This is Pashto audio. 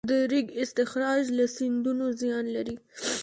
د ریګ استخراج له سیندونو زیان لري؟